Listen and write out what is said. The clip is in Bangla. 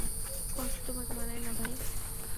কষ্ট তোমাকে মানায় না ভাই।